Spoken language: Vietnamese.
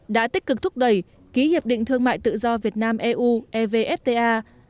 đã tích cực thúc đẩy ký hiệp định thương mại tự do việt nam eu evfta